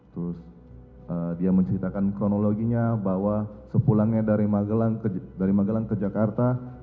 terus dia menceritakan kronologinya bahwa sepulangnya dari magelang ke jakarta